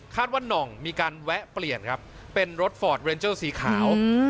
ว่าน่องมีการแวะเปลี่ยนครับเป็นรถฟอร์ดเรนเจอร์สีขาว